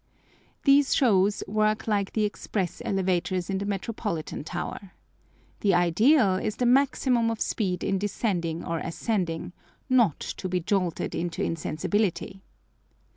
These shows work like the express elevators in the Metropolitan Tower. The ideal is the maximum of speed in descending or ascending, not to be jolted into insensibility.